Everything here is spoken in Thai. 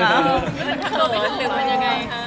แล้วคือเขาทำตัวไปทำตัวไปยังไงครับ